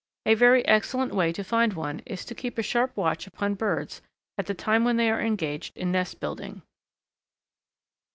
A very excellent way to find one is to keep a sharp watch upon birds at the time when they are engaged in nest building.